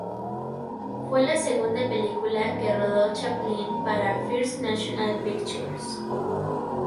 Fue la segunda película que rodó Chaplin para First National Pictures.